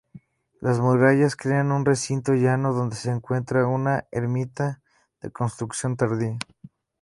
Las murallas crean un recinto llano donde se encuentra una ermita de construcción tardía.